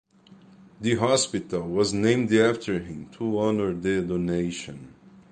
The hospital was named after him to honor the donation.